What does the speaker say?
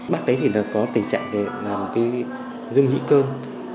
bác ấy thì nó có tình trạng để làm cái rung nhĩ cơn